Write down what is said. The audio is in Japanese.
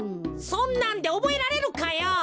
そんなんでおぼえられるかよ。